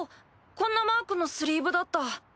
こんなマークのスリーブだった。